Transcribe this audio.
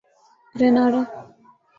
Grenada